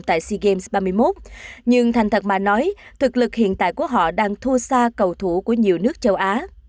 tại sea games ba mươi một nhưng thành thật mà nói thực lực hiện tại của họ đang thua xa cầu thủ của nhiều nước châu á